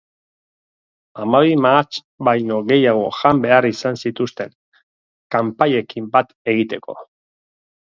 Hamabi mahats baino gehiago jan behar izan zituzten, kanpaiekin bat egiteko.